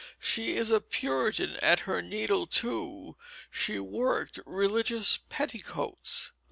"She is a Puritan at her needle too She works religious petticoats."